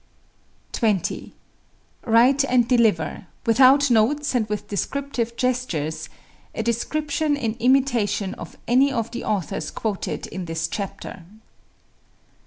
20. Write and deliver, without notes and with descriptive gestures, a description in imitation of any of the authors quoted in this chapter.